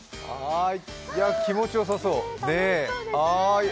気持ちよさそう。